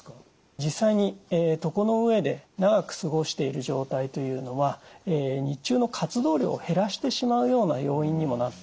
実際に床の上で長く過ごしている状態というのは日中の活動量を減らしてしまうような要因にもなってくるんですね。